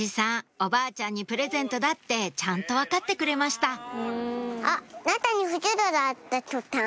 おばあちゃんにプレゼントだってちゃんと分かってくれましたなかにふちゅろが。